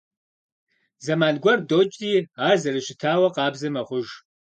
Зэман гуэр докӀри, ар зэрыщытауэ къабзэ мэхъуж.